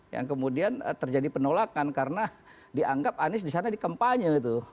yang kemudian terjadi penolakan karena dianggap andi di sana di kempanya tuh